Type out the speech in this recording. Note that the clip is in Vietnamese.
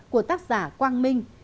của tác giả quang minh